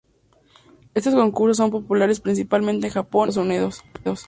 Estos concursos son populares principalmente en Japón y los Estados Unidos.